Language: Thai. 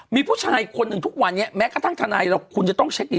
มีผู้ชายคนหนึ่งทุกวันนี้แม้กระทั่งทนายเราคุณจะต้องเช็คดี